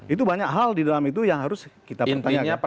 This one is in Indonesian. itu banyak hal di dalam itu yang harus kita pertanyakan